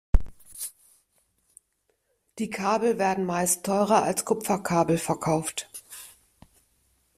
Die Kabel werden meist teurer als Kupferkabel verkauft.